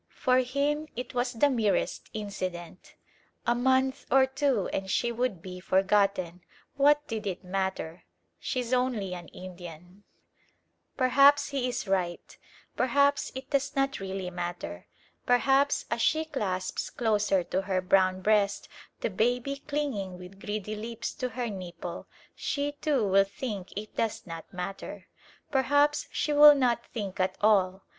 For him it was the merest incident. A month or two and she would be forgotten. What did it matter? She's only an Indian! [Illustration: TYPES OF MAYAN WOMEN AND MEN.] Perhaps he is right: perhaps it does not really matter. Perhaps, as she clasps closer to her brown breast the baby clinging with greedy lips to her nipple, she, too, will think it does not matter: perhaps she will not think at all.